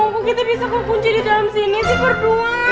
kok kita bisa kekunci di dalam sini sih berdua